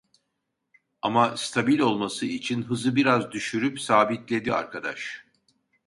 Ama stabil olması için hızı biraz düşürüp sabitledi arkadaş.